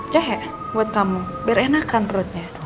jahe buat kamu biar enakan perutnya